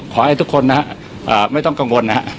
ขอให้ทุกคนนะฮะไม่ต้องกังวลนะฮะ